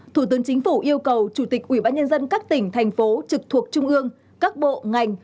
thủ tướng chính phủ yêu cầu chủ tịch ubnd các tỉnh thành phố trực thuộc trung ương các bộ ngành